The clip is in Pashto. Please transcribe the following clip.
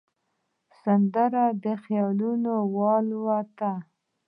سندره د خیالونو الوت ده